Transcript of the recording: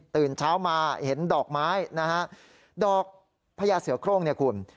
ตื่นเช้ามาหวานดอกไม้นะฮะดอกพะยาเสียคร่องแห่งคุณ